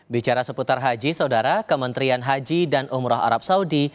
bicara seputar haji saudara kementerian haji dan umroh arab saudi